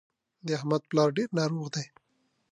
د احمد پلار ډېر ناروغ دی